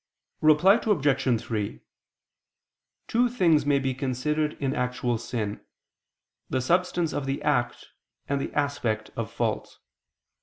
Reply Obj. 3: Two things may be considered in actual sin, the substance of the act, and the aspect of fault.